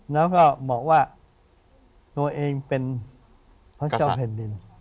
แล้วก็บอกว่าตัวเองเป็นพระเจ้าแผ่นดิน